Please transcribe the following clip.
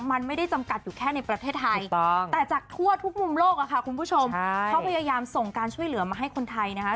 มันไม่ได้จำกัดอยู่แค่ในประเทศไทยแต่จากทั่วทุกมุมโลกอะค่ะคุณผู้ชมเขาพยายามส่งการช่วยเหลือมาให้คนไทยนะคะ